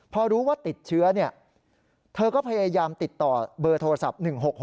พอรู้ว่าติดเชื้อเธอก็พยายามติดต่อเบอร์โทรศัพท์๑๖๖